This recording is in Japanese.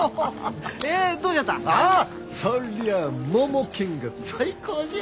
ああそりゃあモモケンが最高じゃ。